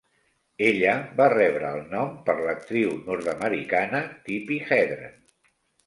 Ella va rebre el nom per l'actriu nord-americana Tippi Hedren.